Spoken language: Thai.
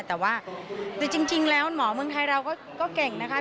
แต่ว่าจริงแล้วหมอเมืองไทยเราก็เก่งนะคะ